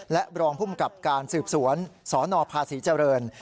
และรองภูมิกับการสืบสวนสนภาษีเจริญ